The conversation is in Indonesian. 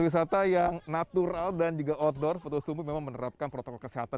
wisata yang natural dan juga outdoor totoro setungguh menerapkan protokol kesehatan dengan